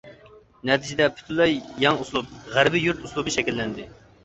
نەتىجىدە پۈتۈنلەي يەڭ ئۇسلۇب- «غەربىي يۇرت ئۇسلۇبى» شەكىللەندى.